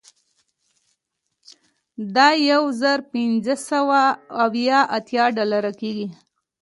دا یو زر پنځه سوه اوه اتیا ډالره کیږي